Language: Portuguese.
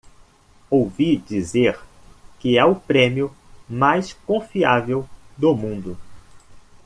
Ouvi dizer que é o prêmio mais confiável do mundo.